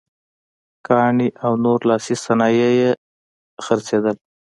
ګاڼې او نور لاسي صنایع یې خرڅېدل.